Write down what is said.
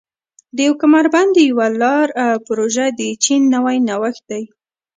د یو کمربند یوه لار پروژه د چین نوی نوښت دی.